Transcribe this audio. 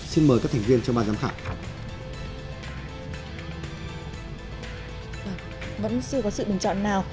xin mời các thành viên ban giám khảo